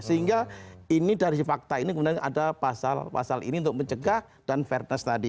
sehingga ini dari fakta ini kemudian ada pasal pasal ini untuk mencegah dan fairness tadi